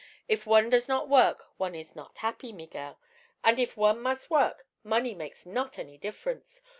If one does not work, one is not happy, Miguel; an' if one mus' work, money makes not any difference.